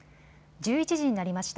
１１時になりました。